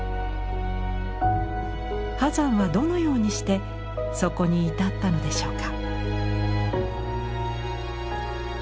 波山はどのようにしてそこに至ったのでしょうか。